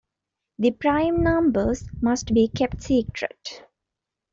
The prime numbers must be kept secret.